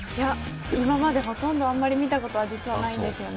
今まで、ほとんど見たことはないんですよね。